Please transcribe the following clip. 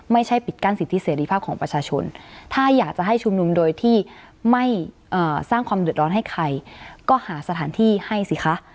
ไม่ใช่ปิดกั้นสิทธิเสรีภาพของประชาชนถ้าอยากจะให้ชุมนุมโดยที่ไม่สร้างความเดือดร้อนให้ใครก็หาสถานที่ให้สิคะ